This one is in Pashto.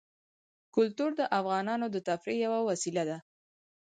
کلتور د افغانانو د تفریح یوه وسیله ده.